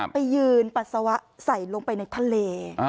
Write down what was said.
ไปยืนปัสสาวะใส่ลงไปในทะเล